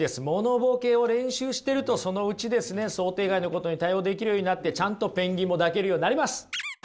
モノボケを練習してるとそのうちですね想定外のことに対応できるようになってちゃんとペンギンも抱けるようになります。